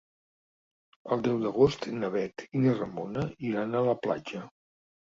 El deu d'agost na Bet i na Ramona iran a la platja.